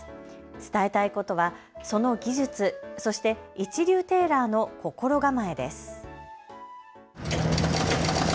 伝えたいことはその技術、そして一流テーラーの心構えです。